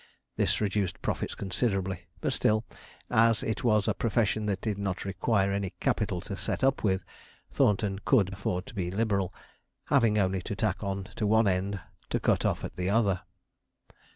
This reduced profits considerably; but still, as it was a profession that did not require any capital to set up with, Thornton could afford to be liberal, having only to tack on to one end to cut off at the other.